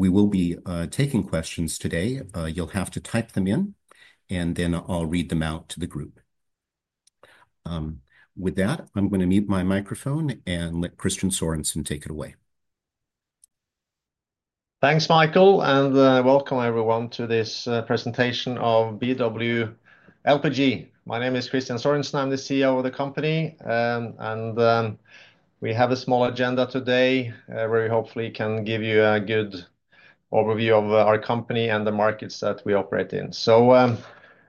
We will be taking questions today. You'll have to type them in, and then I'll read them out to the group. With that, I'm going to mute my microphone and let Kristian Sørensen take it away. Thanks, Michael, and welcome everyone to this presentation of BW LPG. My name is Kristian Sørensen. I'm the CEO of the company, and we have a small agenda today where we hopefully can give you a good overview of our company and the markets that we operate in.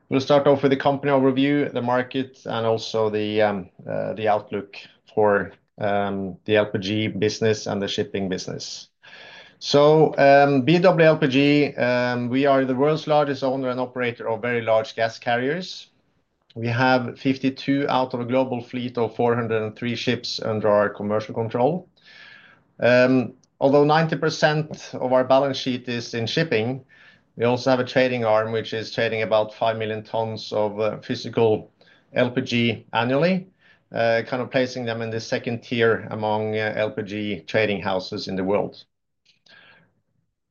We will start off with the company overview, the market, and also the outlook for the LPG business and the shipping business. BW LPG, we are the world's largest owner and operator of very large gas carriers. We have 52 out of a global fleet of 403 ships under our commercial control. Although 90% of our balance sheet is in shipping, we also have a trading arm which is trading about 5 million tons of physical LPG annually, kind of placing them in the second tier among LPG trading houses in the world.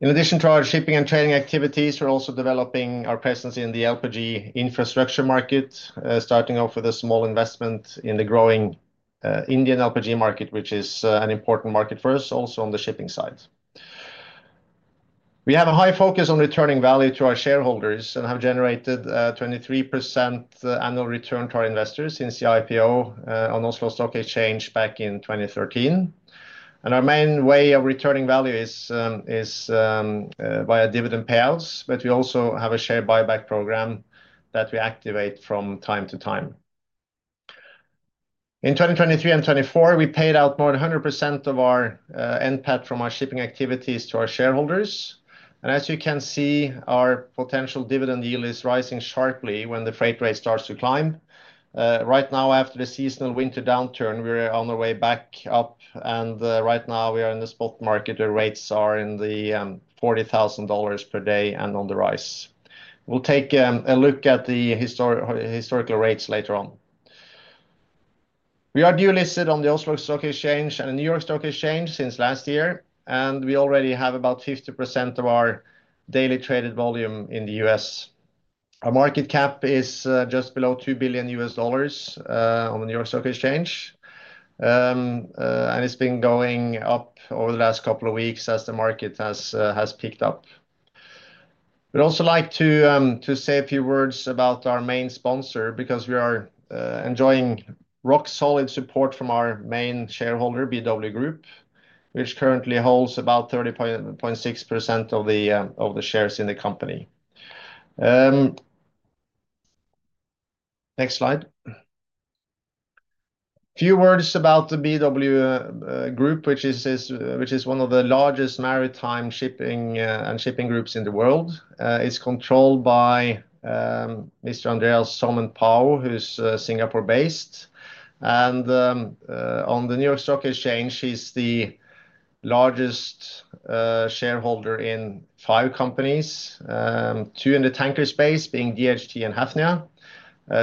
In addition to our shipping and trading activities, we're also developing our presence in the LPG infrastructure market, starting off with a small investment in the growing Indian LPG market, which is an important market for us, also on the shipping side. We have a high focus on returning value to our shareholders and have generated 23% annual return to our investors since the IPO on Oslo Stock Exchange back in 2013. Our main way of returning value is via dividend payouts, but we also have a share buyback program that we activate from time to time. In 2023 and 2024, we paid out more than 100% of our NPAT from our shipping activities to our shareholders. As you can see, our potential dividend yield is rising sharply when the freight rate starts to climb. Right now, after the seasonal winter downturn, we're on our way back up, and right now we are in the spot market where rates are in the $40,000 per day and on the rise. We'll take a look at the historical rates later on. We are dually listed on the Oslo Stock Exchange and the New York Stock Exchange since last year, and we already have about 50% of our daily traded volume in the US. Our market cap is just below $2 billion on the New York Stock Exchange, and it's been going up over the last couple of weeks as the market has picked up. We'd also like to say a few words about our main sponsor because we are enjoying rock-solid support from our main shareholder, BW Group, which currently holds about 30.6% of the shares in the company. Next slide. A few words about the BW Group, which is one of the largest maritime shipping and shipping groups in the world. It's controlled by Mr. Andreas Sohmen-Pao, who's Singapore-based. On the New York Stock Exchange, he's the largest shareholder in five companies: two in the tanker space, being DHT and Hafnia;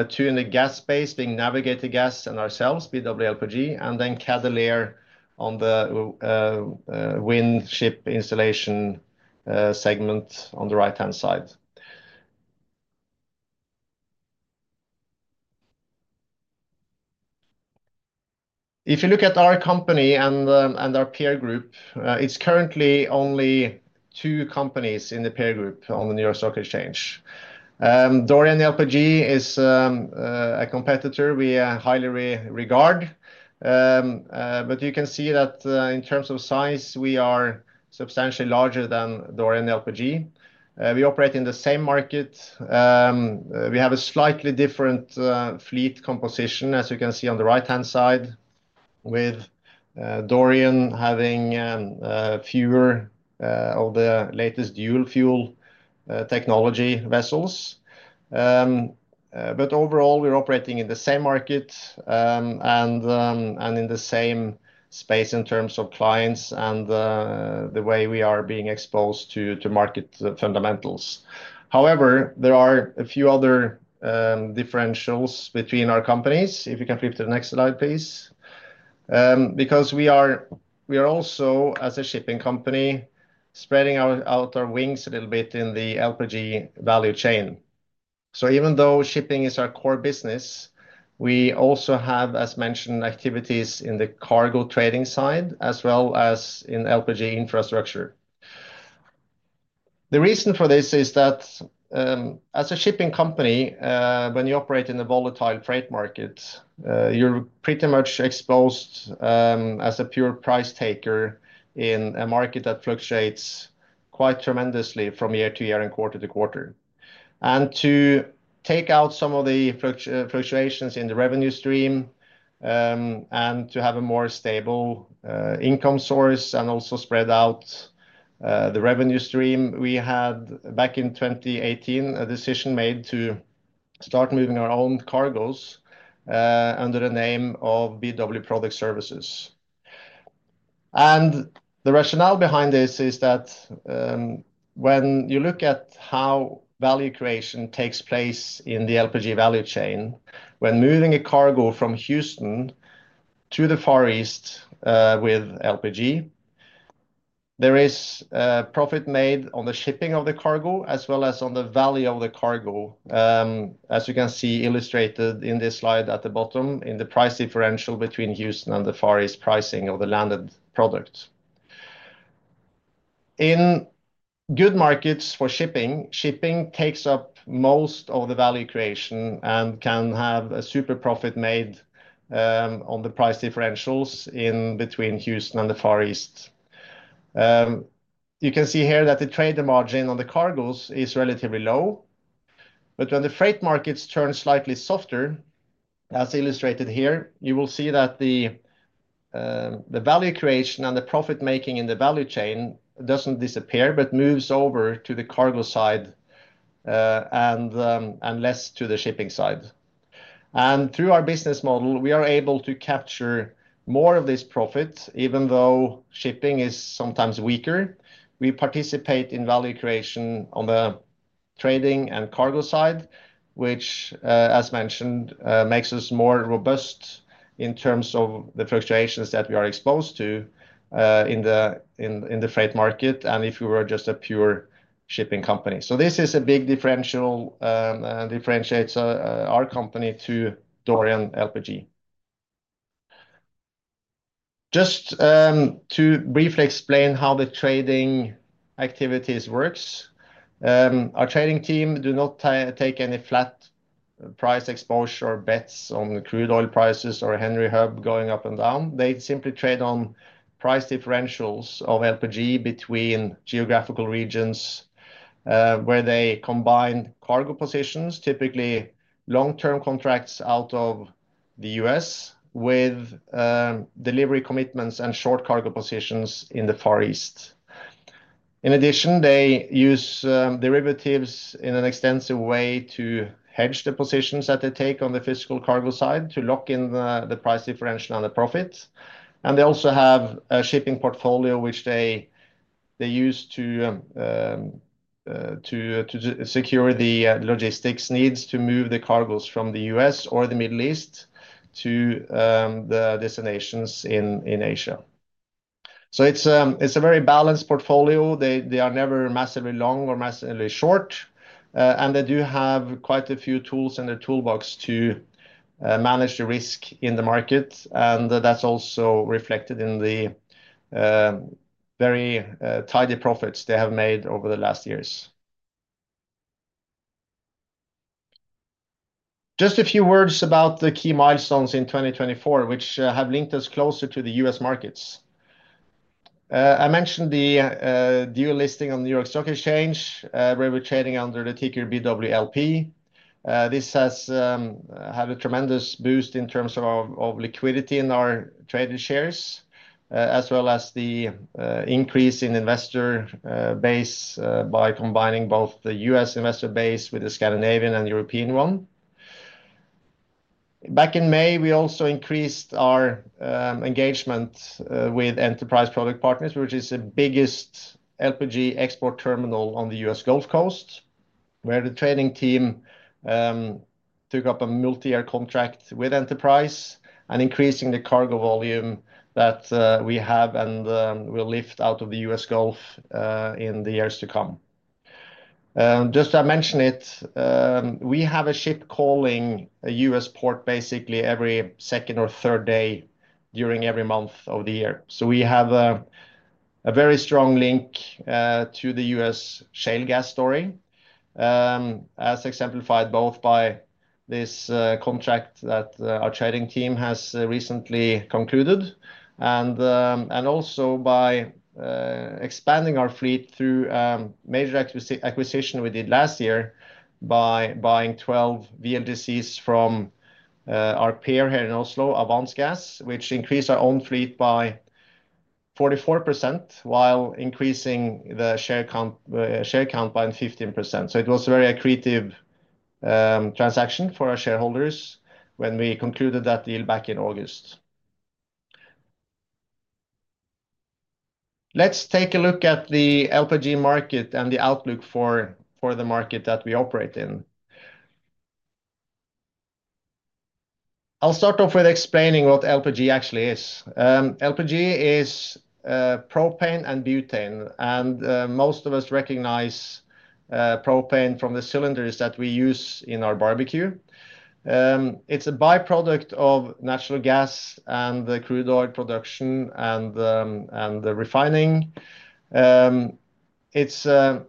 two in the gas space, being Navigator Gas and ourselves, BW LPG; and then Cadeler on the wind ship installation segment on the right-hand side. If you look at our company and our peer group, it's currently only two companies in the peer group on the New York Stock Exchange. Dorian LPG is a competitor we highly regard, but you can see that in terms of size, we are substantially larger than Dorian LPG. We operate in the same market. We have a slightly different fleet composition, as you can see on the right-hand side, with Dorian having fewer of the latest dual-fuel technology vessels. Overall, we're operating in the same market and in the same space in terms of clients and the way we are being exposed to market fundamentals. However, there are a few other differentials between our companies. If you can flip to the next slide, please. We are also, as a shipping company, spreading out our wings a little bit in the LPG value chain. Even though shipping is our core business, we also have, as mentioned, activities in the cargo trading side as well as in LPG infrastructure. The reason for this is that, as a shipping company, when you operate in a volatile trade market, you're pretty much exposed as a pure price taker in a market that fluctuates quite tremendously from year to year and quarter to quarter. To take out some of the fluctuations in the revenue stream and to have a more stable income source and also spread out the revenue stream, we had back in 2018 a decision made to start moving our own cargoes under the name of BW Product Services. The rationale behind this is that when you look at how value creation takes place in the LPG value chain, when moving a cargo from Houston to the Far East with LPG, there is profit made on the shipping of the cargo as well as on the value of the cargo, as you can see illustrated in this slide at the bottom in the price differential between Houston and the Far East pricing of the landed product. In good markets for shipping, shipping takes up most of the value creation and can have a super profit made on the price differentials in between Houston and the Far East. You can see here that the trade margin on the cargoes is relatively low, but when the freight markets turn slightly softer, as illustrated here, you will see that the value creation and the profit making in the value chain does not disappear but moves over to the cargo side and less to the shipping side. Through our business model, we are able to capture more of this profit. Even though shipping is sometimes weaker, we participate in value creation on the trading and cargo side, which, as mentioned, makes us more robust in terms of the fluctuations that we are exposed to in the freight market than if we were just a pure shipping company. This is a big differential that differentiates our company to Dorian LPG. Just to briefly explain how the trading activities work, our trading team does not take any flat price exposure or bets on crude oil prices or Henry Hub going up and down. They simply trade on price differentials of LPG between geographical regions where they combine cargo positions, typically long-term contracts out of the US, with delivery commitments and short cargo positions in the Far East. In addition, they use derivatives in an extensive way to hedge the positions that they take on the physical cargo side to lock in the price differential and the profit. They also have a shipping portfolio which they use to secure the logistics needs to move the cargoes from the U.S. or the Middle East to the destinations in Asia. It is a very balanced portfolio. They are never massively long or massively short, and they do have quite a few tools in their toolbox to manage the risk in the market, and that's also reflected in the very tidy profits they have made over the last years. Just a few words about the key milestones in 2024, which have linked us closer to the U.S. markets. I mentioned the dual listing on the New York Stock Exchange, where we're trading under the ticker BW LPG. This has had a tremendous boost in terms of liquidity in our traded shares, as well as the increase in investor base by combining both the U.S. investor base with the Scandinavian and European one. Back in May, we also increased our engagement with Enterprise Products Partners, which is the biggest LPG export terminal on the U.S. Gulf Coast, where the trading team took up a multi-year contract with Enterprise and increasing the cargo volume that we have and will lift out of the U.S. Gulf in the years to come. Just to mention it, we have a ship calling a US port basically every second or third day during every month of the year. We have a very strong link to the U.S. shale gas story, as exemplified both by this contract that our trading team has recently concluded and also by expanding our fleet through a major acquisition we did last year by buying 12 VLGCs from our peer here in Oslo, Avance Gas, which increased our own fleet by 44% while increasing the share count by 15%. It was a very accretive transaction for our shareholders when we concluded that deal back in August. Let's take a look at the LPG market and the outlook for the market that we operate in. I'll start off with explaining what LPG actually is. LPG is propane and butane, and most of us recognize propane from the cylinders that we use in our barbecue. It's a byproduct of natural gas and the crude oil production and the refining. It's a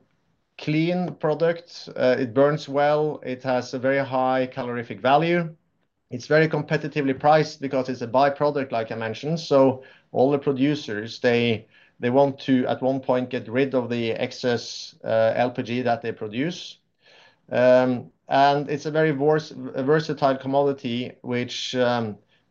clean product. It burns well. It has a very high calorific value. It's very competitively priced because it's a byproduct, like I mentioned. All the producers, they want to, at one point, get rid of the excess LPG that they produce. It is a very versatile commodity, which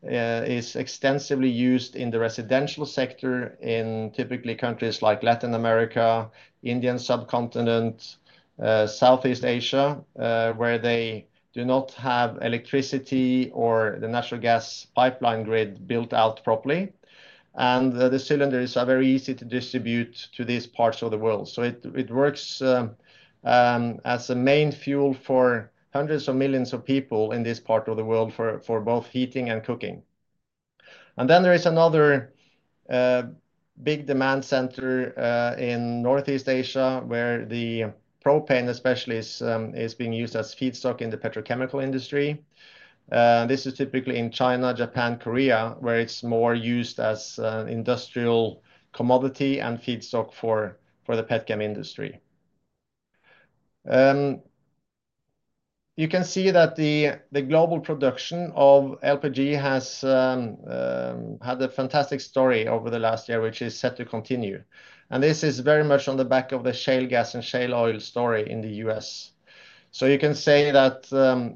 is extensively used in the residential sector in typically countries like Latin America, the Indian subcontinent, and Southeast Asia, where they do not have electricity or the natural gas pipeline grid built out properly. The cylinders are very easy to distribute to these parts of the world. It works as a main fuel for hundreds of millions of people in this part of the world for both heating and cooking. There is another big demand center in Northeast Asia, where the propane especially is being used as feedstock in the petrochemical industry. This is typically in China, Japan, and Korea, where it is more used as an industrial commodity and feedstock for the petchem industry. You can see that the global production of LPG has had a fantastic story over the last year, which is set to continue. This is very much on the back of the shale gas and shale oil story in the US. You can say that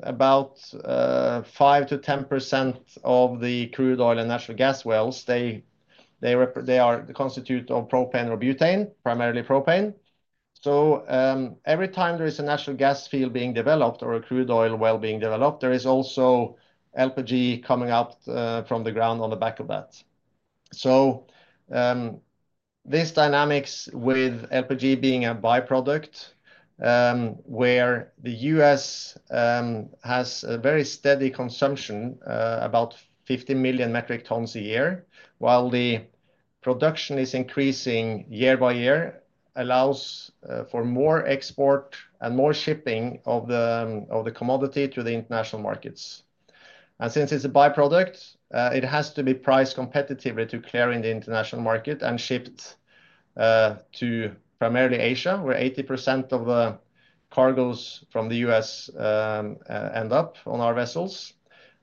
about 5-10% of the crude oil and natural gas wells constitute propane or butane, primarily propane. Every time there is a natural gas field being developed or a crude oil well being developed, there is also LPG coming out from the ground on the back of that. These dynamics with LPG being a byproduct, where the U.S. has a very steady consumption of about 50 million metric tons a year, while the production is increasing year by year, allows for more export and more shipping of the commodity to the international markets. Since it's a byproduct, it has to be priced competitively to clear in the international market and shipped to primarily Asia, where 80% of the cargoes from the U.S. end up on our vessels,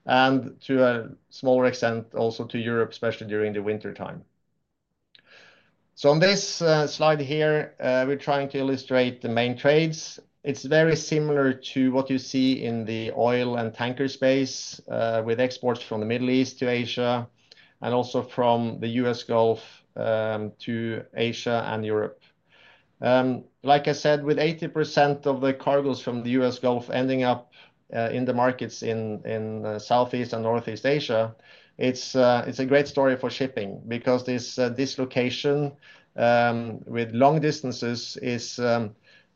and to a smaller extent also to Europe, especially during the wintertime. On this slide here, we're trying to illustrate the main trades. It's very similar to what you see in the oil and tanker space, with exports from the Middle East to Asia and also from the U.S. Gulf to Asia and Europe. Like I said, with 80% of the cargoes from the U.S. Gulf ending up in the markets in Southeast and Northeast Asia, it's a great story for shipping because this dislocation with long distances is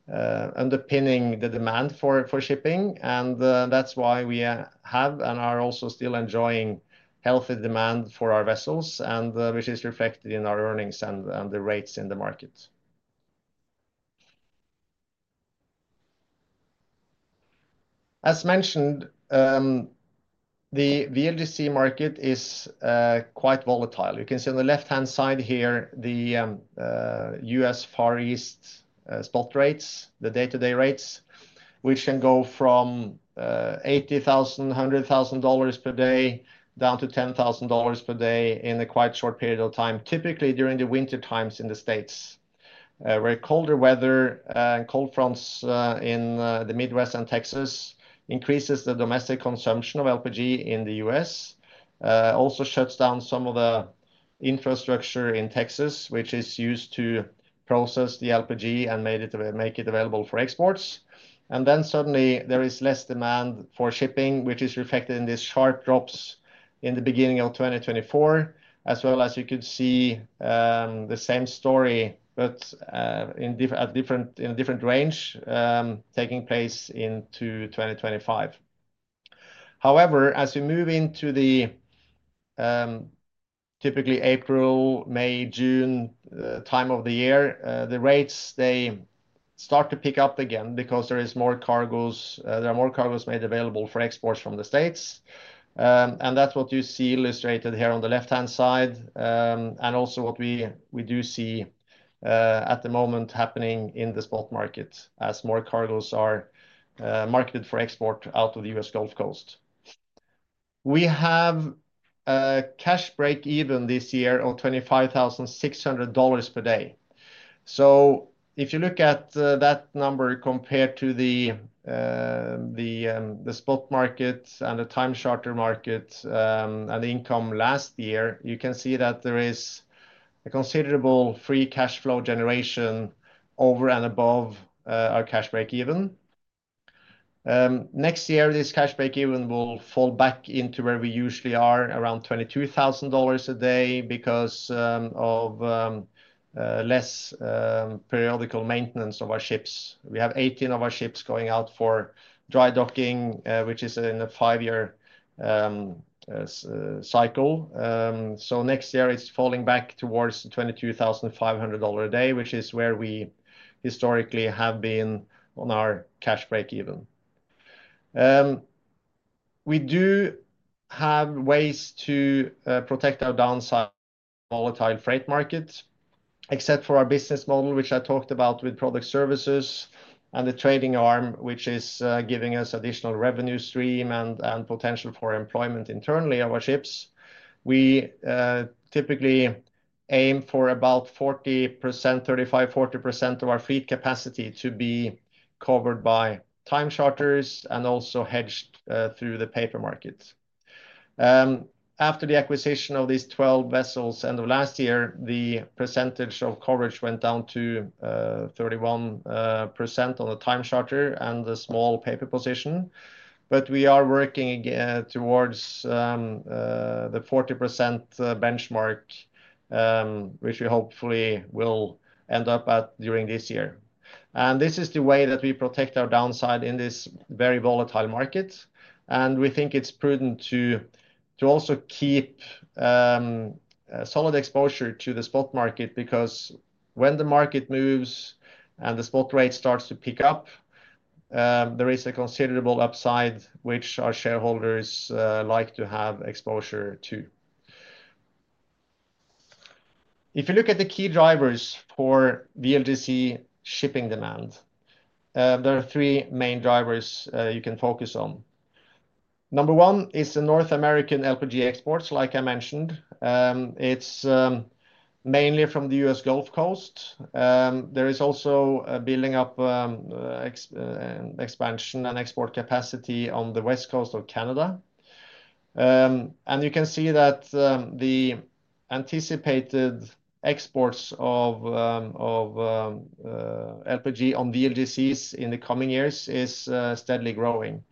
underpinning the demand for shipping. That is why we have and are also still enjoying healthy demand for our vessels, which is reflected in our earnings and the rates in the market. As mentioned, the VLGC market is quite volatile. You can see on the left-hand side here the U.S. Far East spot rates, the day-to-day rates, which can go from $80,000, $100,000 per day down to $10,000 per day in a quite short period of time, typically during the wintertimes in the US, where colder weather and cold fronts in the Midwest and Texas increase the domestic consumption of LPG in the US, also shuts down some of the infrastructure in Texas, which is used to process the LPG and make it available for exports. Suddenly, there is less demand for shipping, which is reflected in these sharp drops in the beginning of 2024, as well as you could see the same story, but in a different range taking place into 2025. However, as you move into the typically April, May, June time of the year, the rates, they start to pick up again because there are more cargoes made available for exports from the States. That is what you see illustrated here on the left-hand side, and also what we do see at the moment happening in the spot market as more cargoes are marketed for export out of the U.S. Gulf Coast. We have a cash break-even this year of $25,600 per day. If you look at that number compared to the spot market and the time charter market and the income last year, you can see that there is a considerable free cash flow generation over and above our cash break-even. Next year, this cash break-even will fall back into where we usually are, around $22,000 a day because of less periodical maintenance of our ships. We have 18 of our ships going out for dry docking, which is in a five-year cycle. Next year, it is falling back towards $22,500 a day, which is where we historically have been on our cash break-even. We do have ways to protect our downside volatile freight market, except for our business model, which I talked about with Product Services and the trading arm, which is giving us additional revenue stream and potential for employment internally of our ships. We typically aim for about 35-40% of our fleet capacity to be covered by time charters and also hedged through the paper market. After the acquisition of these 12 vessels end of last year, the percentage of coverage went down to 31% on the time charter and the small paper position. We are working towards the 40% benchmark, which we hopefully will end up at during this year. This is the way that we protect our downside in this very volatile market. We think it's prudent to also keep solid exposure to the spot market because when the market moves and the spot rate starts to pick up, there is a considerable upside which our shareholders like to have exposure to. If you look at the key drivers for VLGC shipping demand, there are three main drivers you can focus on. Number one is the North American LPG exports, like I mentioned. It's mainly from the U.S. Gulf Coast. There is also a building-up expansion and export capacity on the West Coast of Canada. You can see that the anticipated exports of LPG on VLGCs in the coming years is steadily growing.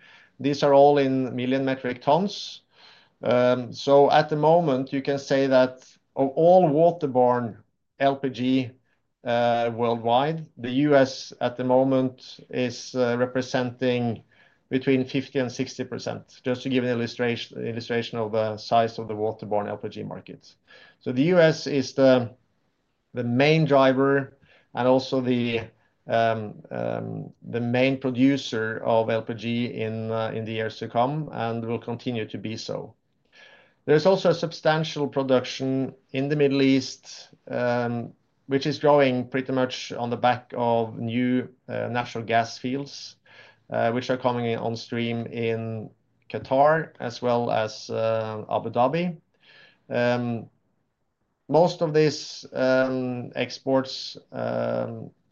These are all in million metric tons. At the moment, you can say that all waterborne LPG worldwide, the U.S. at the moment is representing between 50% and 60%, just to give an illustration of the size of the waterborne LPG market. The U.S. is the main driver and also the main producer of LPG in the years to come and will continue to be so. There is also substantial production in the Middle East, which is growing pretty much on the back of new natural gas fields, which are coming on stream in Qatar as well as Abu Dhabi. Most of these exports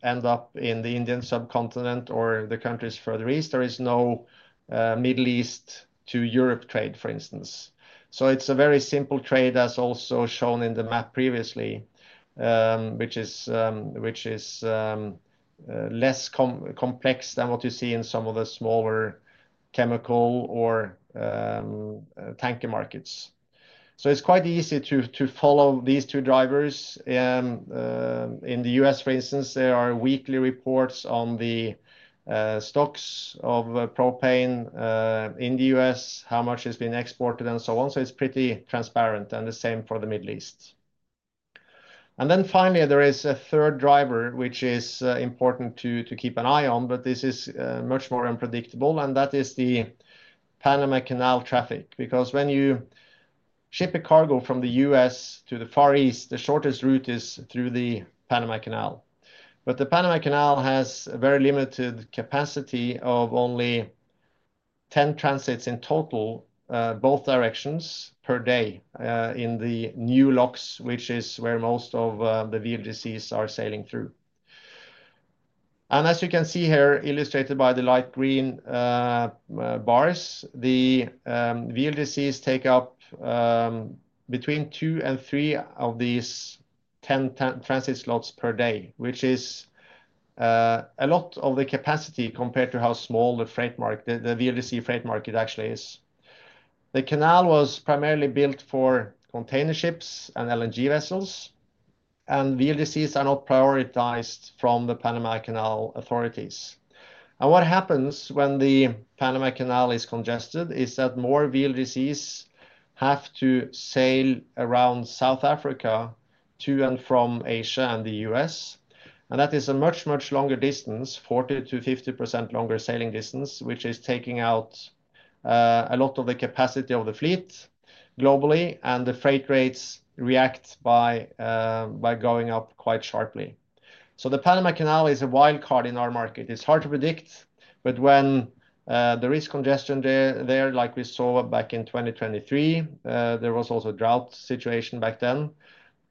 end up in the Indian subcontinent or the countries further east. There is no Middle East to Europe trade, for instance. It is a very simple trade, as also shown in the map previously, which is less complex than what you see in some of the smaller chemical or tanker markets. It is quite easy to follow these two drivers. In the U.S., for instance, there are weekly reports on the stocks of propane in the U.S., how much has been exported, and so on. It is pretty transparent and the same for the Middle East. Finally, there is a third driver, which is important to keep an eye on, but this is much more unpredictable, and that is the Panama Canal traffic. Because when you ship a cargo from the U.S. to the Far East, the shortest route is through the Panama Canal. The Panama Canal has a very limited capacity of only 10 transits in total, both directions per day in the new locks, which is where most of the VLGCs are sailing through. As you can see here, illustrated by the light green bars, the VLGCs take up between two and three of these 10 transit slots per day, which is a lot of the capacity compared to how small the VLGC freight market actually is. The canal was primarily built for container ships and LNG vessels, and VLGCs are not prioritized from the Panama Canal authorities. What happens when the Panama Canal is congested is that more VLGCs have to sail around South Africa to and from Asia and the US. That is a much, much longer distance, 40-50% longer sailing distance, which is taking out a lot of the capacity of the fleet globally, and the freight rates react by going up quite sharply. The Panama Canal is a wild card in our market. It is hard to predict, but when there is congestion there, like we saw back in 2023, there was also a drought situation back then,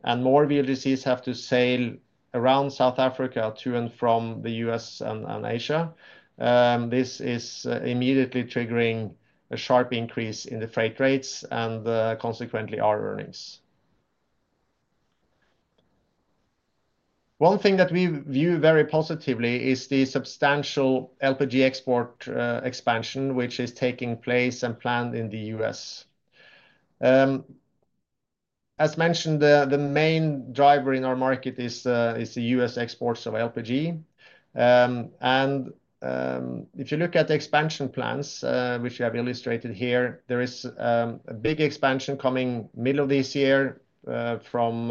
and more VLGCs have to sail around South Africa to and from the U.S. and Asia. This is immediately triggering a sharp increase in the freight rates and consequently our earnings. One thing that we view very positively is the substantial LPG export expansion, which is taking place and planned in the U.S. As mentioned, the main driver in our market is the U.S. exports of LPG. If you look at the expansion plans, which we have illustrated here, there is a big expansion coming middle of this year from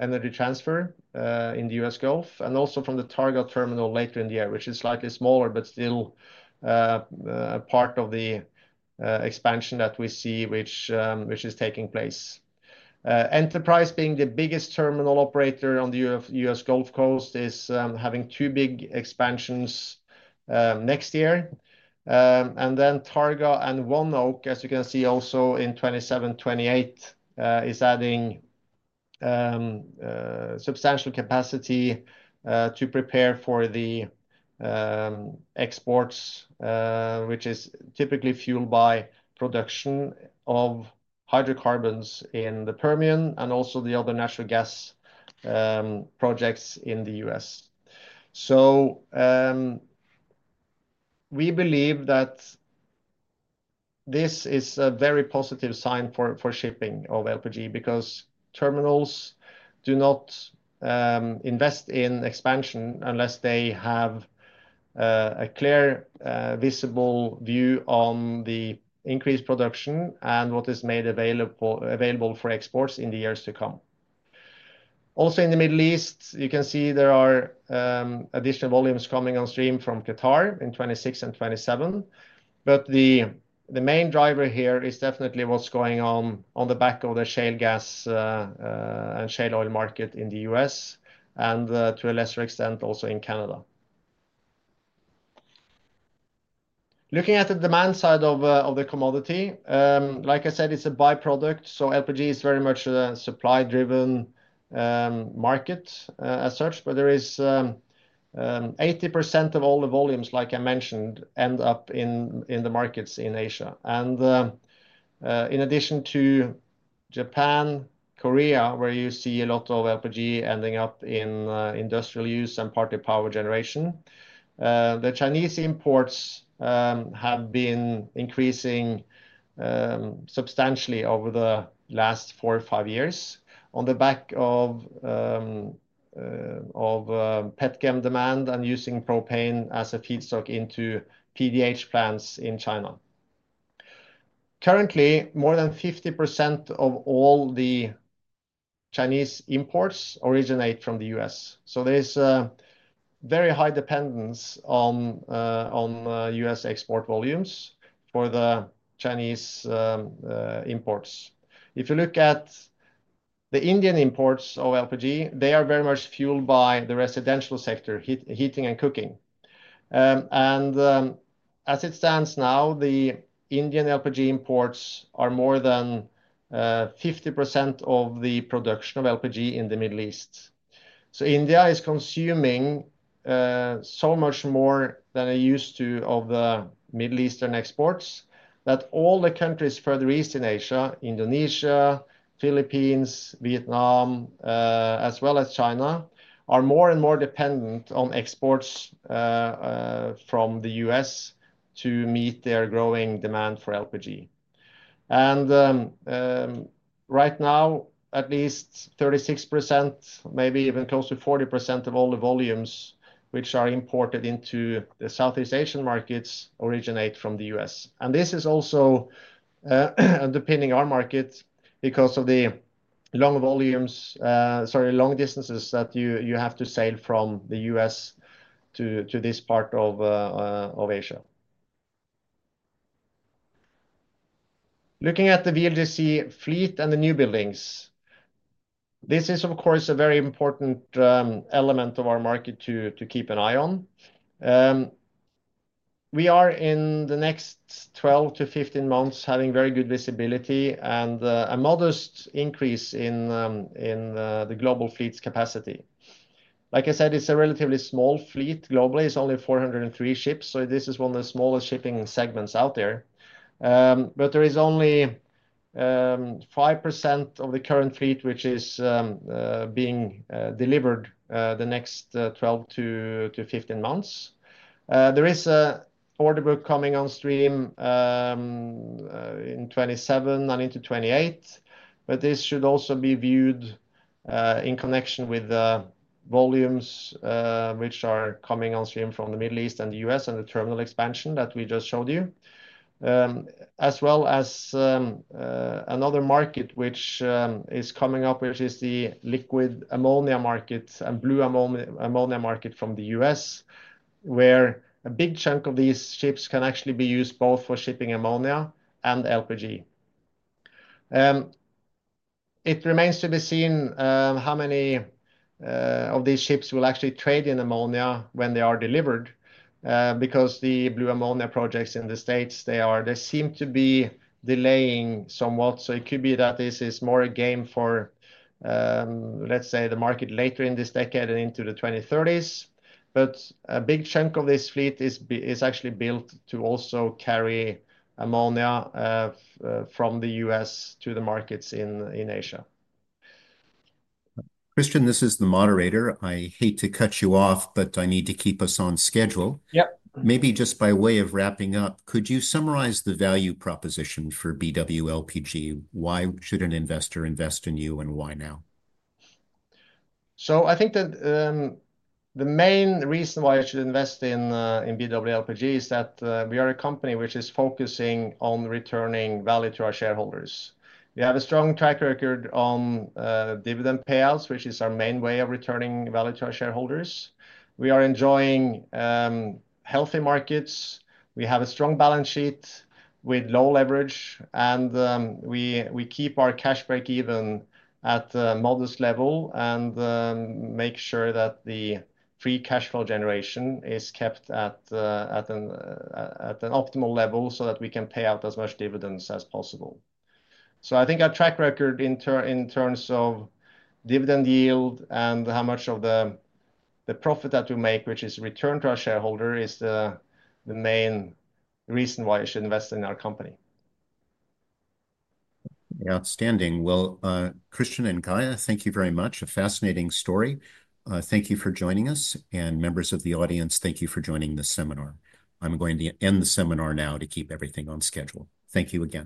Energy Transfer in the U.S. Gulf and also from the Targa terminal later in the year, which is slightly smaller but still part of the expansion that we see, which is taking place. Enterprise, being the biggest terminal operator on the U.S. Gulf Coast, is having two big expansions next year. Targa and ONEOK, as you can see also in 2027, 2028, is adding substantial capacity to prepare for the exports, which is typically fueled by production of hydrocarbons in the Permian and also the other natural gas projects in the US. We believe that this is a very positive sign for shipping of LPG because terminals do not invest in expansion unless they have a clear, visible view on the increased production and what is made available for exports in the years to come. Also in the Middle East, you can see there are additional volumes coming on stream from Qatar in 2026 and 2027. The main driver here is definitely what's going on on the back of the shale gas and shale oil market in the U.S. and to a lesser extent also in Canada. Looking at the demand side of the commodity, like I said, it's a byproduct. LPG is very much a supply-driven market as such, but there is 80% of all the volumes, like I mentioned, end up in the markets in Asia. In addition to Japan, Korea, where you see a lot of LPG ending up in industrial use and partly power generation, the Chinese imports have been increasing substantially over the last four or five years on the back of petchem demand and using propane as a feedstock into PDH plants in China. Currently, more than 50% of all the Chinese imports originate from the US. There is a very high dependence on U.S. export volumes for the Chinese imports. If you look at the Indian imports of LPG, they are very much fueled by the residential sector, heating and cooking. As it stands now, the Indian LPG imports are more than 50% of the production of LPG in the Middle East. India is consuming so much more than it used to of the Middle Eastern exports that all the countries further east in Asia, Indonesia, Philippines, Vietnam, as well as China, are more and more dependent on exports from the U.S. to meet their growing demand for LPG. Right now, at least 36%, maybe even close to 40% of all the volumes which are imported into the Southeast Asian markets originate from the US. This is also underpinning our market because of the long volumes, sorry, long distances that you have to sail from the U.S. to this part of Asia. Looking at the VLGC fleet and the new buildings, this is, of course, a very important element of our market to keep an eye on. We are, in the next 12 to 15 months, having very good visibility and a modest increase in the global fleet's capacity. Like I said, it's a relatively small fleet globally. It's only 403 ships. This is one of the smallest shipping segments out there. There is only 5% of the current fleet which is being delivered the next 12 to 15 months. There is an order book coming on stream in 2027 and into 2028, but this should also be viewed in connection with the volumes which are coming on stream from the Middle East and the U.S. and the terminal expansion that we just showed you, as well as another market which is coming up, which is the liquid ammonia market and blue ammonia market from the US, where a big chunk of these ships can actually be used both for shipping ammonia and LPG. It remains to be seen how many of these ships will actually trade in ammonia when they are delivered because the blue ammonia projects in the US, they seem to be delaying somewhat. It could be that this is more a game for, let's say, the market later in this decade and into the 2030s. A big chunk of this fleet is actually built to also carry ammonia from the U.S. to the markets in Asia. Kristian, this is the moderator. I hate to cut you off, but I need to keep us on schedule. Maybe just by way of wrapping up, could you summarize the value proposition for BW LPG? Why should an investor invest in you and why now? I think that the main reason why I should invest in BW LPG is that we are a company which is focusing on returning value to our shareholders. We have a strong track record on dividend payouts, which is our main way of returning value to our shareholders. We are enjoying healthy markets. We have a strong balance sheet with low leverage, and we keep our cash break even at the modest level and make sure that the free cash flow generation is kept at an optimal level so that we can pay out as much dividends as possible. I think our track record in terms of dividend yield and how much of the profit that we make, which is returned to our shareholder, is the main reason why I should invest in our company. Outstanding. Kristian and Gaia, thank you very much. A fascinating story. Thank you for joining us. Members of the audience, thank you for joining this seminar. I'm going to end the seminar now to keep everything on schedule. Thank you again.